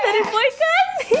dari boy kan